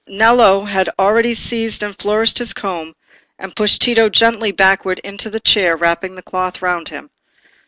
Nello had already seized and flourished his comb, and pushed Tito gently backward into the chair, wrapping the cloth round him.